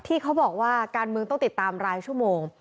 ที่เขาบอกว่าการเมืองต้องติดตามรายชั่วโมง